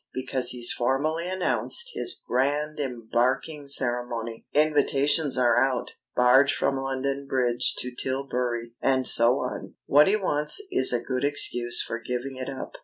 Because he's formally announced his grand embarking ceremony! Invitations are out. Barge from London Bridge to Tilbury, and so on! What he wants is a good excuse for giving it up.